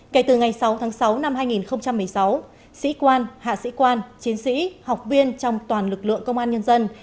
kể từ ngày sáu tháng sáu năm hai nghìn một mươi sáu sĩ quan hạ sĩ quan chiến sĩ học viên trong toàn lực lượng công an nhân dân